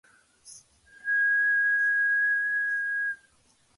Grant replaced Henderson with attorney James Broadhead.